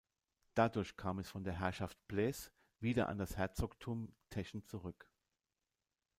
Dadurch kam es von der Herrschaft Pleß wieder an das Herzogtum Teschen zurück.